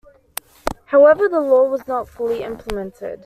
However, the law was not fully implemented.